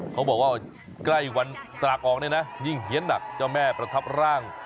เขาบอกว่าใกล้วันสลากออกเนี่ยนะยิ่งเฮียนหนักเจ้าแม่ประทับร่าง